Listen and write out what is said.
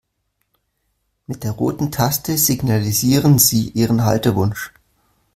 Mit der roten Taste signalisieren Sie Ihren Haltewunsch.